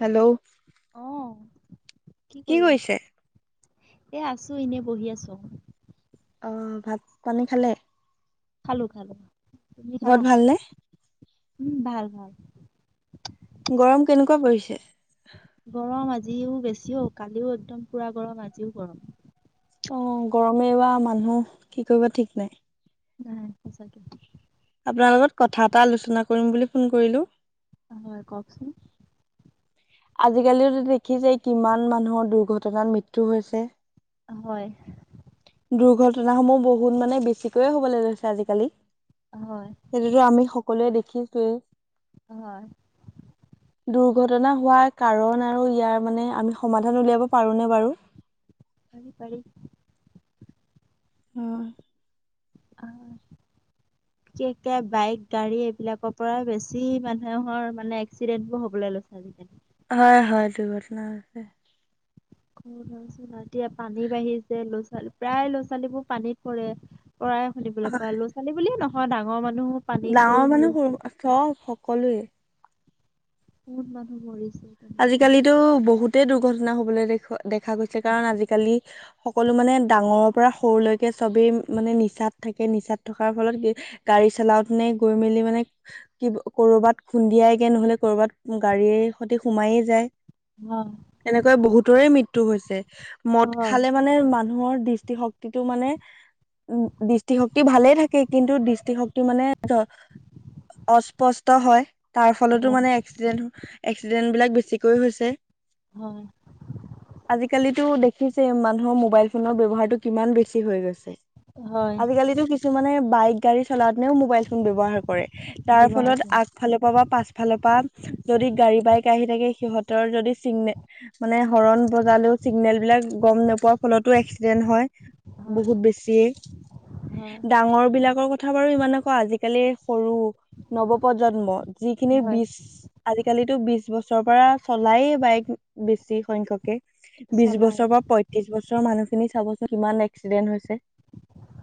Hello অ কি কৰি আছ কৰিছে? এ আছো এনে বহি আছো অঁ ভাত পানী খালে? খালো তুমি ঘৰত খালা ভালনে? উম ভাল-ভাল গৰম কেনেকুৱা পৰিছে? গৰম আজিও বেছিও' কালিও একদম পুৰা গৰম আজিও গৰম অ গৰমে এইবাৰ মানুহ কি কৰিব ঠিক নাই নাই সঁচাকে আপোনাৰ লগত কথা এটা আলোচনা কৰিম বুলি ফোন কৰিলো হয় কওকচোন আজিকালিটো দেখিছেই কিমান মানুহৰ দুৰ্ঘটনাত মৃত্যু হৈছে হয় দুৰ্ঘটনাসমূহ বহুত মানে বেছিকৈয়ে হ'বলৈ লৈছে আজিকালি হয় সেইটোতো আমি সকলোৱে দেখিছোৱেই। হয় ঘটনা হোৱাৰ কাৰণ আৰু ইয়াৰ মানে আমি সমাধান উলিয়াব পাৰোনে বাৰু পাৰি-পাৰি অ আহ [inaudible] বিষেশকে বাইক, গাড়ী এইবিলাকৰ পৰা বেছি মানুহৰ মানে এক্সিডেণ্টবোৰ হবলৈ লৈছে আজিকালি হয়-হয় দুৰ্ঘটনা হৈছে কালি শুনিছো এতিয়া পানী বাঢ়িছে ল'ৰা-ছোৱালী প্ৰায় ল'ৰা-ছোৱালীবোৰ পানীত পৰে প্ৰায় শুনিবলৈ পালো ল'ৰা-ছোৱালী বুলিয়ে নহয় ডাঙৰ মানুহ ডাঙৰ মানুহ সৰু হ‌ওক সকলোৱেই বহুত মানুহ মৰিছে তেনেকে। গোটেই দুৰ্ঘটনা হবলৈ দেখ দেখা গৈছে কাৰণ আজিকালি অ সকলো মানে ডাঙৰৰ পৰা সৰুলৈকে সবেই মানে নিচাত থাকে নিচাত থকাৰ ফলত গাড়ী চলাওতেনে গৈ মেলি মানে কি কৰবাত খুন্দিয়াইগে নহলে কৰবাত গাড়ীৰে সিহঁতি সোমাইয়েই যায় হয়, এনেকৈ বহুতৰে মৃত্যু হৈছে মদ হয়, খালে মানে মানুহৰ দৃষ্টিশক্তিটো মানে উম দৃষ্টিশক্তি ভালে থাকে কিন্তু দৃষ্টিশক্তি মানে ধ অস্পষ্ট হয় তাৰ ফলতো হয়, মানে এক্সিডেণ্ট-এক্সিডেন্টবিলাক বেছিকৈ হৈছে হয়, আজিকালিটো দেখ দেখিছেই মানুহৰ মোবাইল ফোনৰ ব্যৱহাৰটো কিমান বেছি হৈ গৈছে হয়, আজিকালিটো কিছুমানে বাইক, গাড়ী চলাওতেনেও মোবাইল ফোন ব্যৱহাৰ কৰে তাৰ ফলত ব্যৱহাৰটো। আগফালৰ পা বা পাছফালৰ পা যদি গাড়ী বাইক আহি থাকে সিহঁতৰ যদি চিগনে মানে হৰণ বজালেও চিগনেল বিলাক গম নোপোৱাৰ ফলতো এক্সিডেণ্ট হয় হয়, বহুত বেছিয়েই হয়, ডাঙৰ বিলাকৰ ক কথা বাৰু ইমান আকৌ আজিকালি সৰু নৱপ্ৰজন্ম যিখিনি হয়, বিছ আজি আজালিতো বিছ বছৰৰ পৰা চলায়েই বাইক বেছি সংখ্যকে বিছ চলাই বছৰৰ পৰা পঁয়ত্ৰিশ বছৰৰ মানুহখিনি চাবচোন কিমান এক্সিডেন্ট হৈছে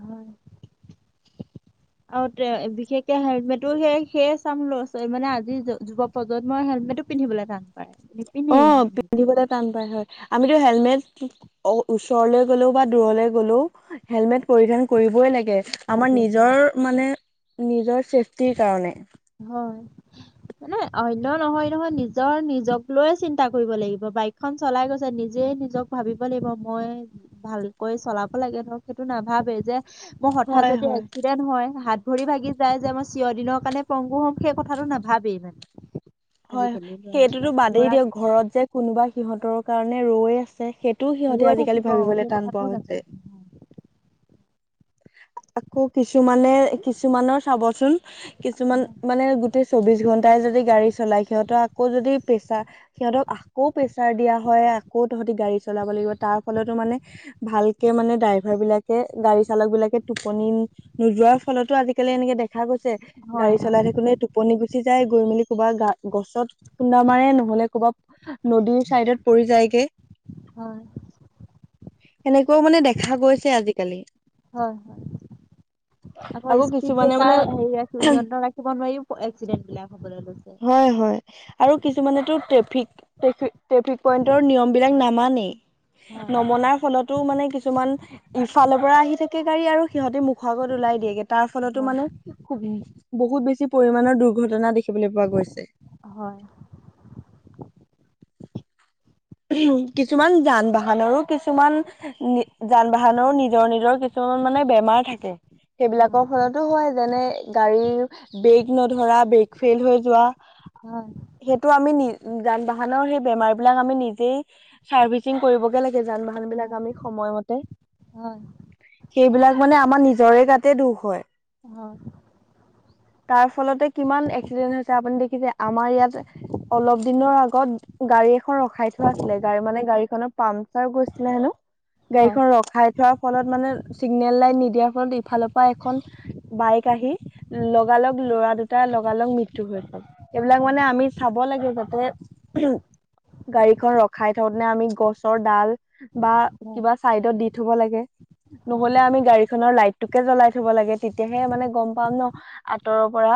হয়। আৰু তে বিশেষকে হেলমেটো সে সেয়ে চাম লৰা ছোৱালী মানে আজিৰ যুৱ প্ৰজন্মই হেলমেট হেলমেটো পিন্ধিবলৈ টান পায়, অ নিপিন্ধেই হেলমেট। পিন্ধিবলৈ টান আমি টো হেলমেট ওচৰলৈ গলেও বা দুৰলে গলেও হেলমেট পৰিধান কৰিবই লাগে আমাৰ লাগে হয়, নিজৰ মানে নিজৰ চেফটিৰ কাৰণে। হয়। মানে অন্য নহয় নহয় নিজৰ নিজক লৈয়ে চিন্তা কৰিব লাগিব বাইকখন চলাই গৈছে নিজে নিজক ভাবিব লাগিব মই ভালকৈ চলাব লাগে ধৰক সেইটো নাভাবেই যে মোৰ হঠাৎ হয় যদি হয়। এক্সিডেন্ট হয় হাত ভৰি ভাগি যায় যে মই চিৰ দিনৰ কাৰণে পংগু হম সেই কথাটো নাভাবেই হয় হয় আজিকালি সেইটোতো ল'ৰাবিলাক বাদেই ল'ৰাক দিয়ক ঘৰত যে কোনোবা সিহঁতৰ কাৰণে ৰৈ আছ- সেইটোও সিহঁতে ৰৈ আজিকালি থাকিব অ, সেই ভাবিবলৈ টান কথাটো পোৱা হৈছে। নাভাবে আকৌ কিছুমানে কিছুমানৰ চাবচোন কিছুমান মানে গোটেই চৌবিশ ঘন্টাই যদি গাড়ী লাইক সিহতক আকৌ যদি প্ৰেছাৰ সিহঁতক আকৌ প্ৰেছাৰ দিয়া হয় আকৌ তহঁ গাড়ী চলাব তাৰ ফলতে মানে ভালকে দাইভাৰ বিলাকে গাড়ী চালক বিলাকে টোপনি নোযোৱাৰ ফলতো আজিকালি এনেকে দেখা গৈছে। হয় গাড়ী হয় চলাই থাকিলে টোপনি গুছ- উঠি যায় গৈ মেলি ক'বা গা গছত খুন্দা মাৰে নহ'লে ক'ৰবাত নদীৰ চাইডত পৰি যায়। কি হয়। সেনেকুৱাও মানে দেখা গৈছে আজিকালি হয় হয়। [inaudible] আকৌ স্পীড কিছুমানে মানে ব্ৰেকাৰ হেই নিয়ন্ত্ৰণ ৰাখিব নোৱাৰিও এক্সিডেন্ট বিলাক হবলৈ লৈছে। হয় হয় আৰু কিছুমানেটো ট্টেফিক ট্ৰেফিক পইন্টৰ নিয়ম বিলাক নামানেই। হয় নমনাৰ ফলতো মানে কিছুমান ইফালৰ পৰা আহি থাকে। একে গাড়ী আৰু সিহঁতে মুখৰ আগত ওলাই দিয়েগে তাৰ ফলতো হয় মানে খু- বহুত বেছি পৰিমাণৰ দুৰ্ঘটনা দেখিবলৈ পোৱা গৈছে। হয়। কিছুমান যান বাহনৰো কিছুমান যান বাহনৰো নিজৰ নিজৰ কিছু- মানে বেমাৰ থাকে। হয় সেইবিলাকৰ ফলতো হয় যেনে গাড়ীৰ ব্ৰেক নধৰা ব্ৰেক ফেইল হৈ যোৱা। হয় সেইটো আমি নি যান বাহনৰ সেই বেমাৰ বিলাক আমি নিজ কেই চাৰ্ভিচিং কৰিবগে লাগে যান বাহন বিলাক হয় আমি সময়মতে হয় সেইবিলাক মানে আমাৰ নিজৰে গাতে দুখ হয়। হয়, তাৰ ফলতে কিমান এক্সিডেণ্ট হৈছে আপুনি দেখিছে আমাৰ ইয়াত অলপ দিনৰ আগত গাড়ী এখন ৰখাই থোৱা আছিলে গাড়ী মানে গাড়ীখনৰ পামচাৰ হৈছিলে হেনো। হয়, গাড়ীখন ৰখাই থোৱাৰ ফলত মানে চিগনেল লাইন নিদিয়াৰ ফলত ইফালৰ পৰা এখন বাইক আহি লগালগ ল'ৰা দুটা লগালগ মৃত্যু হৈছিল এইবিলাক মানে আমি চাব লাগে যে তাতে গাড়ী ৰখাই ঠতে নে আমি গছৰ ডাল বা হয়, কিবা চাইডত দি থব লাগে। হয়, নহ'লে আমি গাড়ীখনৰ লাইটটোকে জ্বলাই থব লাগে তেতিয়াহে মানে গম পাম ন আঁতৰৰ পৰা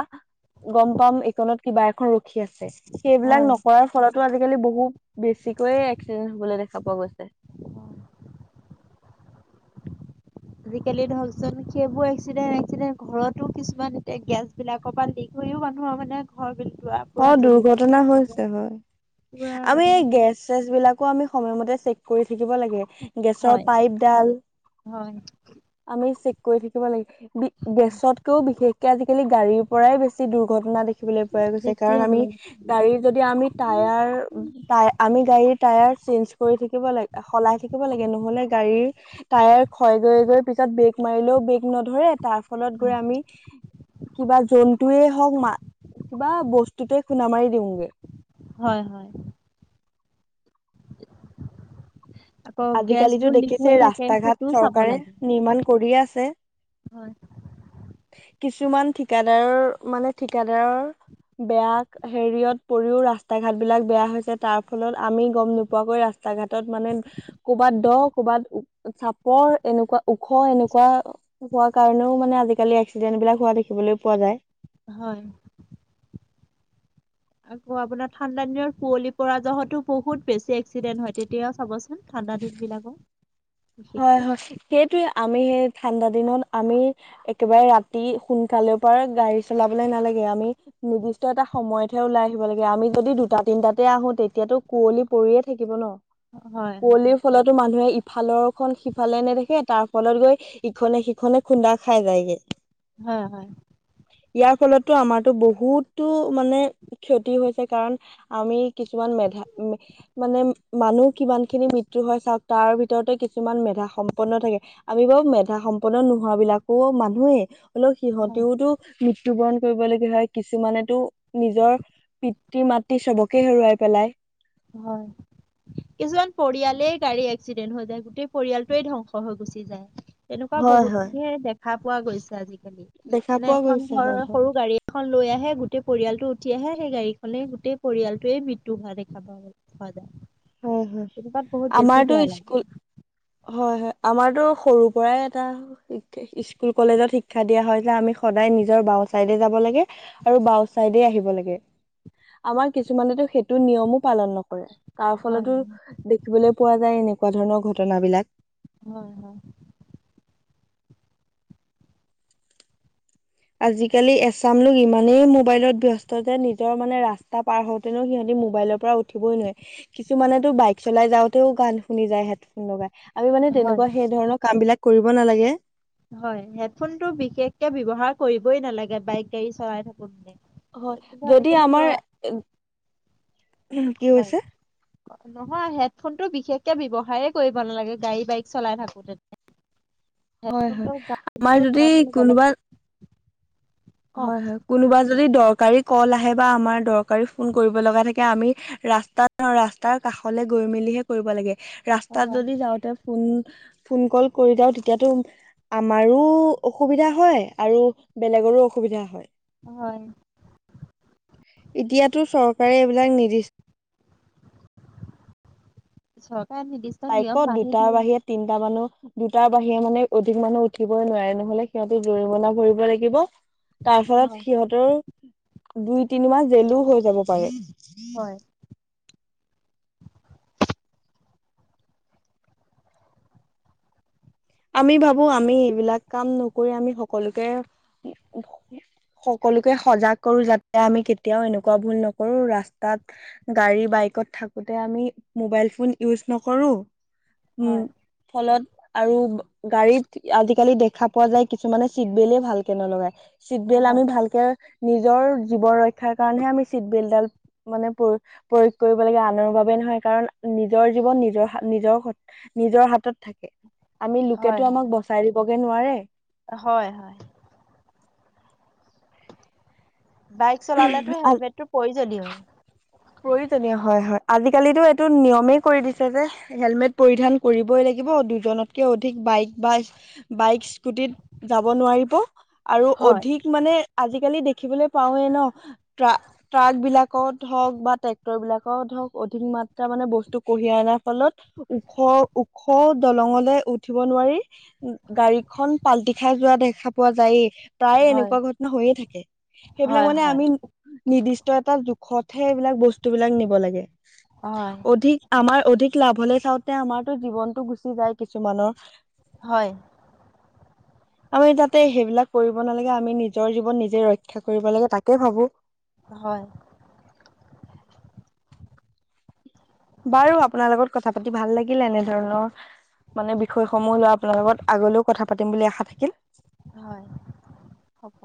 গম পাম একনত কিবা এখন ৰখি আছে সেইবিলাক হয়। হয়। নকৰাৰ ফলতো আজিকালি বহু- বেছিকৈয়ে এক্সিডেণ্ট হবলৈ দেখা পোৱা গৈছে। আজিকালি ধৰকচোন সেইবোৰ এক্সিডেণ্ট এক্সিডেন্ট ঘৰতো কিছুমান এতিয়া গেছ বিলাকৰ পৰা লিক হৈ ও মানুহৰ মানে ঘৰ বিলাক অ দুৰ্ঘটনা হৈছে হয়, পুৰা আমি মানে এই গেছ চেছ বিলাক আমি সময়মতে চেক কৰি থাকিব লাগে। গেছৰ হয়, পাইপডাল, হয়, আমি চেক কৈ থাকিব লাগে গেছতকৈও বিশেষকে আজিকালি গাড়ীৰ পৰাই বেছি দুৰ্ঘটনা দেখিবলৈ পাই গৈছে বেছি কাৰণ হ'ব আমি লাগে। গাড়ী যদি আমি উম, টায়াৰ আমি গাড়ীৰ টায়াৰ চেঞ্জ কৰি থাকিব লাগে সলাই থাকিব লাগ- লে নহলে গাড়ীৰ টায়াৰ খয় গৈ গৈ পিছত ব্ৰেক মাৰিলেও ব্ৰেক নধৰে তাৰ ফলত গৈ আমি কিবা জন্তুয়ে হক কিবা বস্ত- তাতেই খুন্দা মাৰি দিওঁগে। হয় হয়। আকৌ আজিকালিতো গেছবোৰ লিক দেখিছে হৈ থাকে ৰাস্তা ঘাট সেইটোও চাব চৰকাৰে লাগে। নিৰ্মাণ কৰিয়ে আছে। হয়। কিছুমান ঠিকাদাৰৰ মানে ঠিকাদাৰৰ বেয়া হেৰিয়ত পৰিও ৰাস্তা ঘাট বিলাক বেয়া হৈছে তাৰ ফলত আমি গম নোপোৱাকৈ ৰাস্ত- ৰাস্তা ঘাটত মানে কৰ'বাত দ ক'ৰবাত চাপৰ এনেকুৱা ওখ এনেকুৱা হোৱা কাৰণেও মানে আজিকালি এক্সিডেন্ট বিলাক হোৱা দেখিবলৈ পোৱা যায়। হয়। আকৌ আপোনাৰ ঠাণ্ডা দিনৰ কুঁৱলি পৰা যহতো বহুত বেছি এক্সিডেণ্ট হয়, তেতিয়া চাবচোন ঠাণ্ডা দিন বিলাকত হয় হয় সেইটোৱে আমি সেই ঠাণ্ডা দিনত আমি একেবাৰে ৰাতি সোনকালে পৰা গাড়ী চলাবলে নালাগে। আমি নিৰ্দিষ্ট এটা সময়ত হে ওলাই আহিব লাগে আমি যদি দুটা তিনটাতে আহো তেতিয়াতো কুঁৱলী পৰিয়ে থাকিব ন, হয়, হয়, হয়, কুঁৱলীৰ ফলতো মানুহে ইফালৰ খন সিফালে নে দেখে তাৰ ফলত গৈ ইখনে সিখনে খুন্দা খাই যায়গে। হয় হয়। ইয়াৰ ফলতো আমাৰতো বহুতো মানে ক্ষতি হৈছে কাৰণ আমি কিছু- কিমান মেধা মানে মানুহ কিমান খিনি মৃত্যু হয় চাওক তাৰ ভিতৰতে কিছুমান মেধা সম্পন্ন থাকে আমি বাৰু মেধা সম্পন্ন নোহোৱাবিলাকো মানুহেই অলপ সিহঁত টোতো মৃত্যুবৰণ কৰিবলগীয়া হয় কিছুমানেতো নিজৰ পিতৃ মাতৃ চবকে হেৰুৱাই পেলাই। হয়। কিছুমান পৰিয়ালেই গাড়ী এক্সিডেণ্ট হৈ যায় গোটেই পৰিয়ালটোৱেই ধ্বংস হৈ গুচি যায়। তেনেকুৱা হয় বহুত হয় খিনি দেখা পোৱা গৈছে আজি- দেখা মানে পোৱা এখন গৈছে হয় ঘৰৰ হয় সৰু গাড়ী এখন লৈ আহে গোটেই পৰিয়ালটো তেতিয়াহে সেই গাড়ীখনেই গোটেই পৰিয়ালটোৱে মৃত্যু হোৱা দেখা পোৱা পোৱা যায়। হয় হয় তেনেকুৱাত বহুত বেছি আমাৰতো বেয়া লাগে স্কুল হয় হয় আমাৰতো সৰুৰ পৰাই এটা স্কুল কলেজত শিক্ষা দিয়া হয় যে আমি সদায় নিজৰ বাওঁ চাইডে যাব লাগে আৰু বাওঁ চাইডে আহিব লাগে। আমাৰ কিছুমানেতো সেইটো নিয়মো পালন নকৰে। তাৰ হয় ফলতো দেখিবলৈ পোৱা যায় এনেকুৱা ধৰণৰ ঘটনাবিলাক হয় হয়। আজিকালি এচাম লোক ইমানেই মোবাইলত ব্যস্ত যে নিজৰ মানে ৰাস্তা পাৰ হওঁতেনো সিহঁতি মোবাইলৰ পৰা উঠিবই নোৱাৰি কিছুমানেতো বাইক চলাই যাওঁতেও গান শুনি যায় হেডফোন লগাই। আমি মানে হয় তেনেকুৱা সেই ধৰণৰ কাম বিলাক কৰিব নালাগে। হয় হেডফোনটো বিশেষকে ব্যৱহাৰ কৰিবই নালাগে বাইক গাড়ী চলাই থাকোঁতে। হয় যদি আমাৰ, কি হয় কৈছে? নহয় হেডফোনটো বিশেষকে ব্যৱসাৰেই কৰিব নালাগে গাড়ী বাইক চলাই থাকোঁতে। হয় হয় আমাৰ যদি থাকিলে বেলেগ কোনোবা কওক হয় হয় কোনোবা যদি দৰকাৰী কল আহে বা আমাৰ দৰকাৰী ফোন কৰিব লগা থাকে আমি ৰাস্তাত ৰাস্তাৰ কা- কাষলৈ গৈ মেলিহে কৰিব লাগে ৰাস্তাত হয় যদি যাওঁতে ফোন ফোন কল কৰি যাওক তেতিয়াতো আমাৰো অসুবিধা হয় আৰু বেলেগৰো অস- অসুবিধা হয়, হয়। এতিয়া টো চৰ- তাৰে এইবিলাক নিদিষ্ট [unintelligible] নিয়ম বাইকত বান্ধি দুটাৰ দিয়ে। বাহিৰে তিনটা মানুহ দুটাৰ বাহিৰে মানে অধিক মানুহ উঠিবই নোৱাৰে নহলে সিহঁতো জৰিমনা ভৰিব লাগিব। তাৰ হয় ফলত সিহঁতৰ দুই তিনি মাহ জেলোও হৈ যাব পাৰে। [inaudible] হয় [inaudible] আমি ভাবো আমি এইবিলাক কাম নকৰি আমি সকলোকে সকলোকে সজাগ কৰো যাতে আমি কেতিয়াও এনেকুৱা ভুল নকৰো ৰাস্তাত গাড়ী বাইক কত থাকোঁতে আমি ম'বাইল ফোন ইজ নকৰোঁ। উম হয় ফলত আৰু। গাড়ীত আজিকালি দেখা পোৱা যায় কিছুমানে চিট বেল্টে ভালকে নলগায়। চিটবেল হয় আমি ভালকে নিজৰ জীৱ ৰক্ষাৰ কাৰণেহে আমি চিটবেল্টডাল মানে প্ৰ প্ৰয়োগ কৰিব লাগে আনৰ বাবে নহয় কাৰণ নিজৰ জীৱন নিজৰ নিজৰ নিজৰ হাতত থাকে। আমি হয় লোকেতো আমাক বচাই দিবগে নোৱাৰে। হয় হয়। বাইক চলালেতো হেলমেতটো প্ৰয়োজনীয়‌ই। প্ৰয়োজনীয় হয় হয় আজিকালিটো এইটো নিয়মেই কৰি দিছে যে হেলমেট পৰিধান কৰিবই লাগ- লাগিব দুজনতকে অধিক বাইক বা বাইকছ স্কুটিত যাব নোৱাৰিব আৰু হয় অধিক মানে আজি আজিকালি দেখিবলৈ পাওৱে ন ট্ৰাক ট্ৰাক বিলাকত হওঁক বা ট্ৰেক্টৰ বিলাকত ধক অধিক মাত্ৰা মানে বস্তু কঢ়িয়াই অনাৰ ফলত ওখ ওখ। দলঙলৈ উঠিব নোৱাৰি উ গাড়ীখন পাল্টি খাই যোৱা দেখা পোৱা যায়ে। প্ৰায়ে হয় এনেকুৱা ঘটনা হৈয়ে থাকে, সেইবিলাক হয় মানে হয় আমি নিৰ্দিষ্ট এটা জোখত হে সেইবিলাক বস্তু বিলাক নিব লাগে, হয় অধিক আমাৰ অধিক লাভ হলে চাওঁতে আমাৰতো জীৱনতটো গুচি যায় কিছুমানৰ। হয়। [inaudible] আমি তাতে সেইবিলাক কৰিব নালাগে আমি নিজৰ জীৱন নিজে ৰক্ষা কৰিব লাগে তাকে ভাবোঁ। হয়। বাৰু আপোনাৰ লগত কথা পাতি ভাল লাগিলে এনেধৰণৰ মানে বিষয়সমূহ লৈ আপোনাৰ লগত আগলৈও কথা পাতিম বুলি আশা থাকিল। হয় হ'ব।